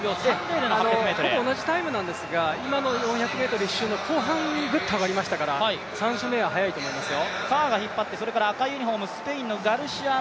ほぼ同じタイムなんですが今の４００ｍ１周の後半にぐっと上がりましたから、３周目は速いと思いますよ。